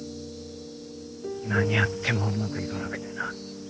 何やってもうまくいかなくてな。